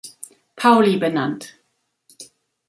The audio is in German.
Pauli benannt.